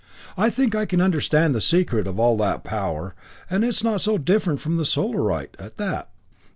"I think I can understand the secret of all that power, and it's not so different from the Solarite, at that.